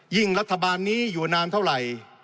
รัฐบาลนี้อยู่นานเท่าไหร่